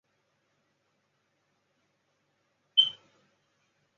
他的爸爸帕特里克希尼是一个农民。